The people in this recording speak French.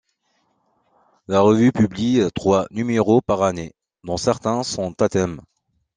La revue publie trois numéros par année, dont certains sont à thème.